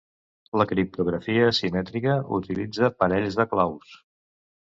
La criptografia asimètrica utilitza parells de claus.